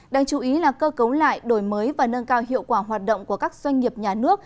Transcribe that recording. đáng chú ý là cơ cấu lại đổi mới và nâng cao hiệu quả hoạt động của các doanh nghiệp nhà nước